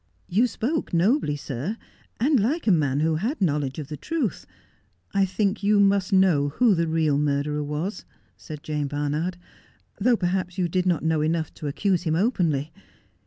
' You spoke nobly, sir, and like a man who had knowledge of the truth. I think you must know who the real murderer was,' said Jane Barnard, ' though perhaps you did not know enough to accuse him openly.